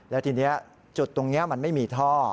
แล้วทีนี้จุดตรงนี้มันไม่มีท่อ